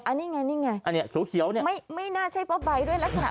อันนี้ไงโถเชียวนี่ไม่น่าใช่ภาพใบด้วยล่ะค่ะ